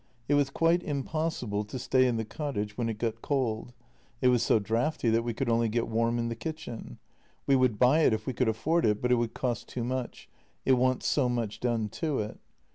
It was quite impossible to stay in the cottage when it got cold; it was so draughty that we could only get warm in the kitchen. We would buy it if we could afford it, but it would cost too much; it wants so much done to it.